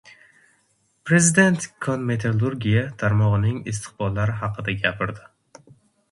Prezident kon-metallurgiya tarmog‘ining istiqbollari haqida gapirdi